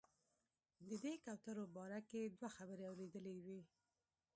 د دې کوترو باره کې دوه خبرې اورېدلې وې.